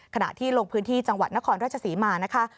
ขณะที่ลงพื้นที่จังหวัดนครราชศรีมานะคะ